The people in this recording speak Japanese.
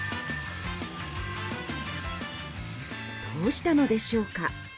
どうしたのでしょうか？